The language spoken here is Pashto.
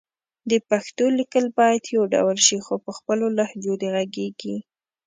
د پښتو لیکل باید يو ډول شي خو په خپلو لهجو دې غږېږي